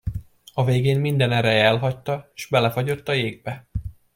A végén minden ereje elhagyta, s belefagyott a jégbe.